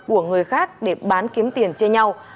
của người khác để bán kiếm tiền chê nhau